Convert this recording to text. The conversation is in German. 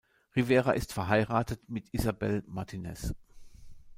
Rivera ist verheiratet mit Isabel Martinez.